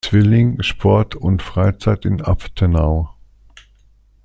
Zwilling Sport- und Freizeit in Abtenau.